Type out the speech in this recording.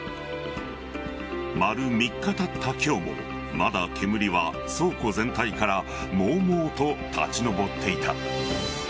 丸３日たった今日もまだ煙は倉庫全体からもうもうと立ち上っていた。